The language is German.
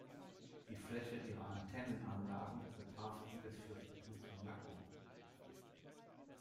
Die Fläche ihrer Antennenanlagen übertraf die des Fürstentums Monaco.